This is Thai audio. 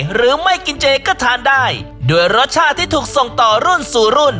หรือไม่กินเจก็ทานได้ด้วยรสชาติที่ถูกส่งต่อรุ่นสู่รุ่น